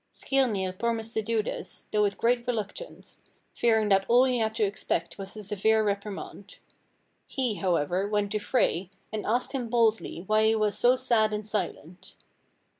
Skirnir promised to do this, though with great reluctance, fearing that all he had to expect was a severe reprimand. He, however, went to Frey, and asked him boldly why he was so sad and silent.